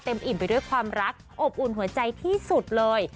อิ่มไปด้วยความรักอบอุ่นหัวใจที่สุดเลย